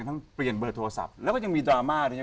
ทั้งเปลี่ยนเบอร์โทรศัพท์แล้วก็ยังมีดราม่าด้วยนะ